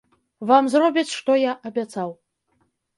Вам зробяць, што я абяцаў.